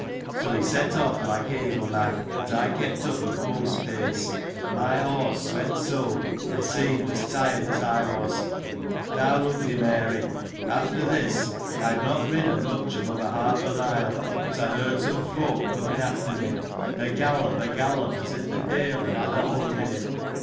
So he set off like heigh go mad, but I kept up a post's pace ; for my horse sweat so, and seemed as tired as I was : now, look thee, Mary, after this, I had not rid den much above a half a mile, but I heard some folk coming after me, a gallop, a gallop, as if the de'il had had.a, holliday.